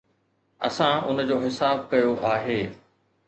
اسان ان جو حساب ڪيو آهي.